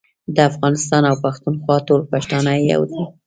د افغانستان او پښتونخوا ټول پښتانه يو دي